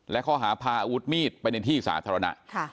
และข้อหาพาอาวุธมีดไปในที่สาธารณะ